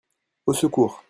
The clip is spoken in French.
Au secours !